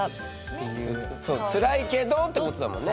辛いけどってことだもんね。